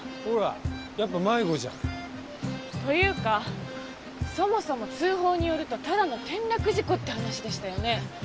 ほらやっぱ迷子じゃん。というかそもそも通報によるとただの転落事故って話でしたよね？